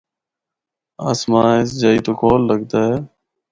اسمان اس جائی تو کول لگدا اے۔